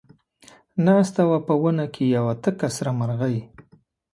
ناسته وه په ونه کې یوه تکه سره مرغۍ